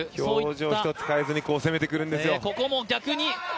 表情一つ変えずに攻めていくんですよ。